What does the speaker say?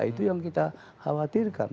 itu yang kita khawatirkan